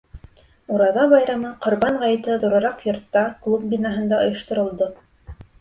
Ураҙа байрамы, Ҡорбан ғәйете ҙурыраҡ йортта, клуб бинаһында ойошторолдо.